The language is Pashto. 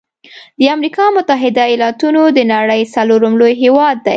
د امريکا متحده ایلاتونو د نړۍ څلورم لوی هیواد دی.